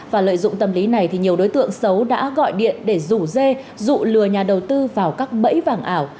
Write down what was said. và lợi dụng tâm lý này thì nhiều đối tượng xấu đã gọi điện để rủ dê dụ lừa nhà đầu tư vào các bẫy vàng ảo